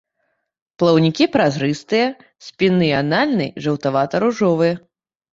Плаўнікі празрыстыя, спінны і анальны жаўтавата-ружовыя.